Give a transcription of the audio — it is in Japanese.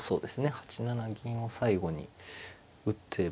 ８七銀を最後に打てば。